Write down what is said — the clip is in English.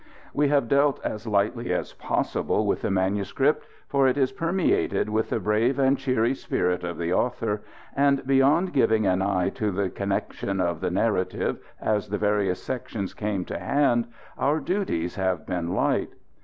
We have dealt as lightly as possible with the manuscript, for it is permeated with the brave and cheery spirit of the author, and, beyond giving an eye to the connection of the narrative as the various sections came to hand, our duties have been light.